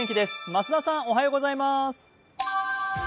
増田さんおはようございます。